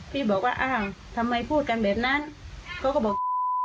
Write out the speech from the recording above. พี่บอกว่าอ้าวทำไมพูดกันแบบนั้นเขาก็บอก